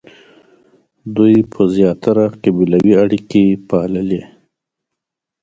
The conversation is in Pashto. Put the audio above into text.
دوی به زیاتره قبیلوي اړیکې پاللې.